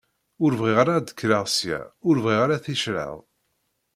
Ur bɣiɣ ara ad d-kkeɣ sya ur bɣiɣ ara ticraḍ.